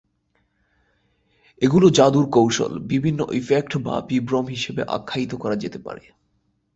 এগুলোকে জাদুর কৌশল, বিভিন্ন ইফেক্ট বা বিভ্রম হিসেবে আখ্যায়িত করা যেতে পারে।